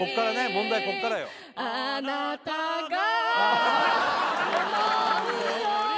問題こっからよあ何で？